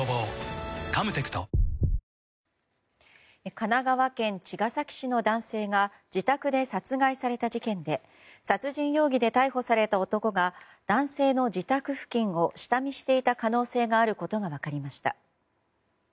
神奈川県茅ヶ崎市の男性が自宅で殺害された事件で殺人容疑で逮捕された男が男性の自宅付近を下見していた可能性があることが分かりました。